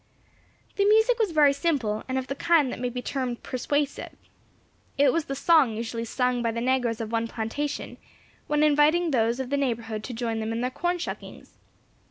The music was very simple, and of the kind that may be termed persuasive. It was the song usually sung by the negroes of one plantation, when inviting those of the neighbourhood to join them in their "corn shuckings."